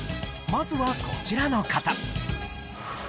まずはこちらの方。